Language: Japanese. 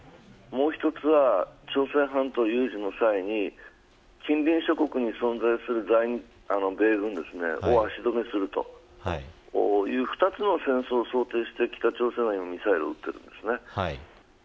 もう１つは朝鮮半島有事の際に近隣諸国に存在する米軍を指導するという２つの想定をもって北朝鮮はミサイルを撃っていると思います。